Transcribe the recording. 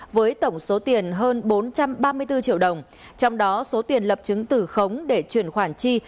với tổng số tiền hơn bốn trăm ba mươi bốn triệu đồng trong đó số tiền lập chứng tử khống để chuyển khoản chi